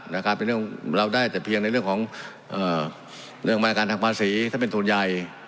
เราได้แต่เพียงในเรื่องของมาตรการทางภาษีถ้าเป็นทุนใหญ่